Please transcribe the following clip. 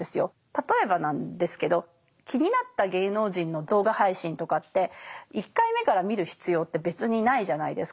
例えばなんですけど気になった芸能人の動画配信とかって１回目から見る必要って別にないじゃないですか。